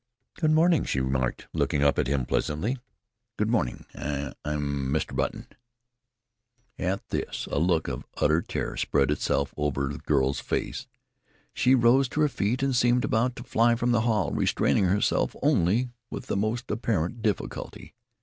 "Good morning," she remarked, looking up at him pleasantly. "Good morning. I I am Mr. Button." At this a look of utter terror spread itself over the girl's face. She rose to her feet and seemed about to fly from the hall, restraining herself only with the most apparent difficulty.